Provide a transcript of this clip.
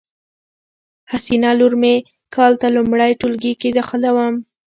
حسینه لور می کال ته لمړی ټولګي کی داخلیدوم